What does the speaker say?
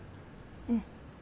うん。